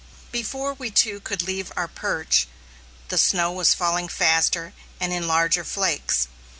Before we two could leave our perch, the snow was falling faster and in larger flakes.